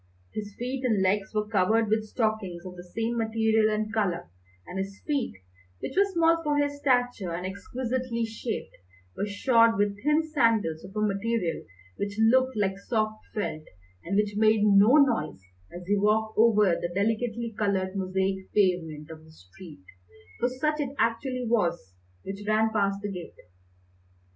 His feet and legs were covered with stockings of the same material and colour, and his feet, which were small for his stature and exquisitely shaped, were shod with thin sandals of a material which looked like soft felt, and which made no noise as he walked over the delicately coloured mosaic pavement of the street for such it actually was which ran past the gate.